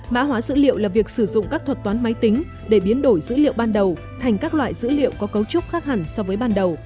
mã hóa dữ liệu là việc sử dụng các thuật toán máy tính để biến đổi dữ liệu ban đầu thành các loại dữ liệu có cấu trúc khác hẳn so với ban đầu